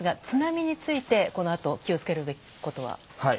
津波についてこのあと気を付けるべきことは？